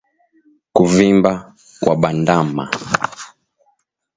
Kuvimba kwa bandama